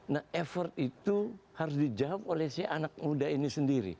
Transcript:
nah effort itu harus dijawab oleh si anak muda ini sendiri